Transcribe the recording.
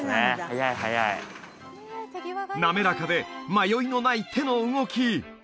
速い速い滑らかで迷いのない手の動き